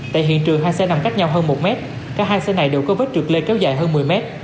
tại hiện trường hai xe nằm cách nhau hơn một mét cả hai xe này đều có vết trượt lê kéo dài hơn một mươi mét